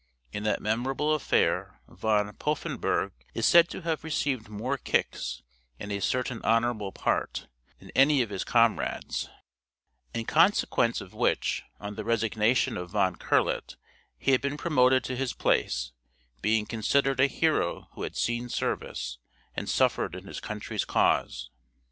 In that memorable affair Van Poffenburgh is said to have received more kicks, in a certain honorable part, than any of his comrades; in consequence of which, on the resignation of Van Curlet, he had been promoted to his place, being considered a hero who had seen service, and suffered in his country's cause.